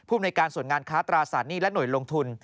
ภูมิในการส่วนงานค้าตราสารหนี้และหน่วยลงทุน